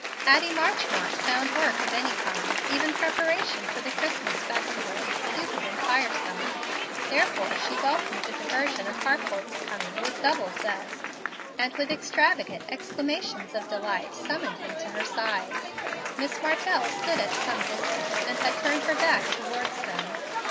Addie Marchmont found work of any kind, even preparation for the Christmas festival, stupid and tiresome; therefore she welcomed the diversion of Harcourt's coming with double zest; and with extravagant exclamations of delight summoned him to her side. Miss Martell stood at some distance, and had turned her back towards them.